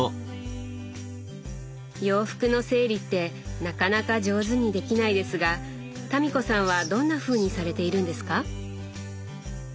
洋服の整理ってなかなか上手にできないですが民子さんはどんなふうにされているんですか？